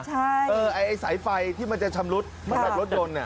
ใช่เออไอ้สายไฟที่มันจะชำรุดมันแบบรถลนเนี่ย